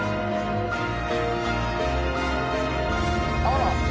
あら！